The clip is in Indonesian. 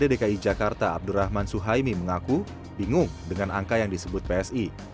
dki jakarta abdurrahman suhaimi mengaku bingung dengan angka yang disebut psi